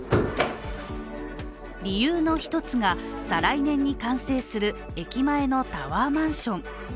理由の一つが、再来年に完成する駅前のタワーマンション。